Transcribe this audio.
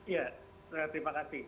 ya terima kasih